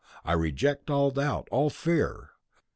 I reject all doubt, all fear.